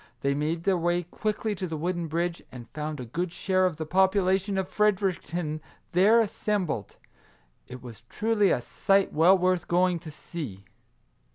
They made their way quickly to the wooden bridge, and found a good share of the population of Fredericton there assem bled. It was truly a sight well worth going to see.